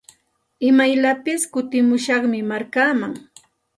Imayllapis kutimushaqmi markaaman.